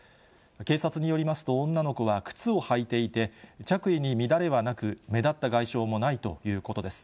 警察によりますと、女の子は靴を履いていて、着衣に乱れはなく、目立った外傷もないということです。